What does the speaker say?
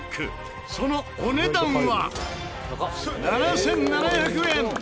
そのお値段は７７００円。